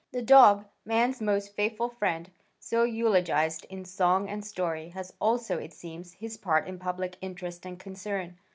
The dog, man's most faithful friend, so eulogized in song and story, has also, it seems, his part in public interest and concern.